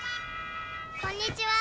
「こんにちは」